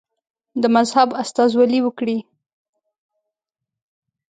د مذهب استازولي وکړي.